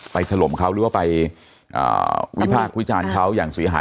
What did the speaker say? ไปถล่มเขาหรือว่าไปอ่าวิพากษ์คุยชาญเขาอย่างสี่หาย